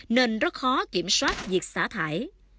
nên rất khó kiểm soát việc xả thải